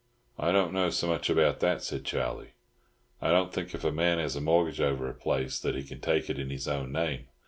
"I don't know so much about that," said Charlie. "I don't think, if a man has a mortgage over a place, that he can take it in his own name.